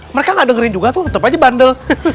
mereka gak dengerin juga tuh tetep aja bandel